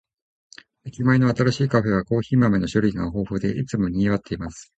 駅前の新しいカフェは、コーヒー豆の種類が豊富で、いつも賑わっています。